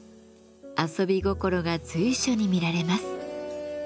遊び心が随所に見られます。